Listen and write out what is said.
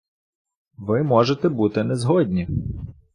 Ви можете бути не згодні.